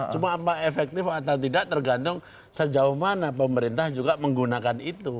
cuma apa efektif atau tidak tergantung sejauh mana pemerintah juga menggunakan itu